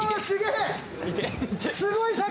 すごい！